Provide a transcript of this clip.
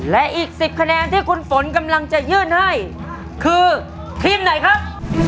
และอีก๑๐คะแนนที่คุณฝนกำลังจะยื่นให้คือทีมไหนครับ